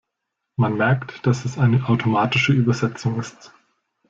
Man merkt, dass es eine automatische Übersetzung ist.